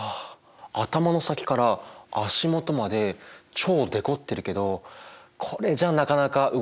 頭の先から足元まで超デコってるけどこれじゃなかなか動けなさそうだよね。